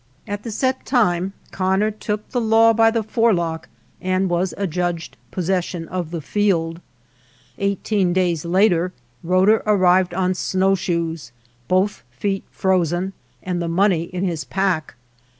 At the set time Connor took 127 MY NEIGHBORS FIELD the law by the forelock and was adjudged (possession of the field. Eighteen days I later Roeder arrived on snowshoes, both /feet frozen, and the money in his pack.